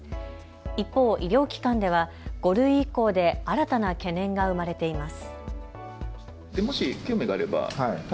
一方、医療機関では５類移行で新たな懸念が生まれています。